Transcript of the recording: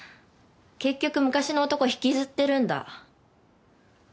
結局昔の男引きずってるんだ？